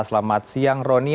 selamat siang rony